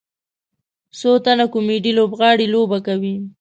څو تنه کامیډي لوبغاړي لوبه کوي.